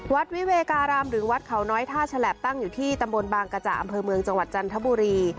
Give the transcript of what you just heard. วิเวการามหรือวัดเขาน้อยท่าฉลับตั้งอยู่ที่ตำบลบางกระจ่าอำเภอเมืองจังหวัดจันทบุรี